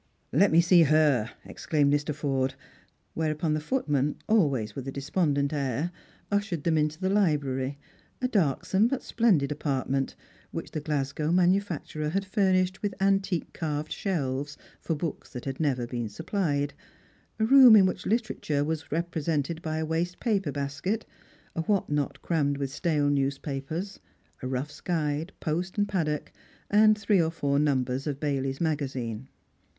"Let me see her," exclaimed Mr. Forde; whereupon the foot man, always with a despondent air, ushered them into the library, a darksome but splendid apartment, which the Glasgow manufacturer had furnished with antique carved shelves for books that had never been supplied, a room in which literature was represented by a waste paper basket, a what not crammed with stale newspapers, a Ruff's Guide, Post and Paddoch, and three or four numbers of Baih/s Magazine.